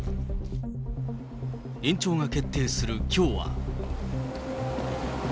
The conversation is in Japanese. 延長が決定するきょうは。